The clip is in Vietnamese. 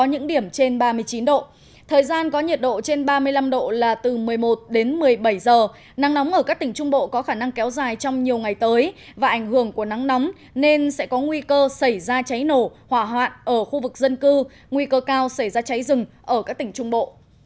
nắng nóng ở các tỉnh trung bộ có khả năng kéo dài trong nhiều ngày tới và ảnh hưởng của nắng nóng nên sẽ có nguy cơ xảy ra cháy nổ hỏa hoạn ở khu vực dân cư nguy cơ cao xảy ra cháy rừng ở các tỉnh trung bộ